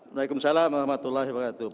waalaikumsalam warahmatullahi wabarakatuh